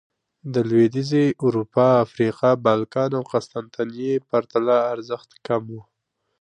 د لوېدیځې اروپا، افریقا، بالکان او قسطنطنیې پرتله ارزښت کم و